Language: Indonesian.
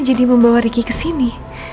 jadi membawa ricky kesini